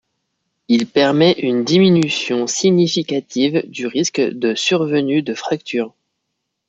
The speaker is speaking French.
Il permet une diminution significative du risque de survenue de fractures.